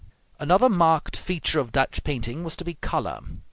Another marked feature of Dutch painting was to be color.